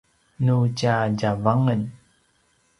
nu tja tjavangen